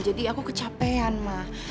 jadi aku kecapean ma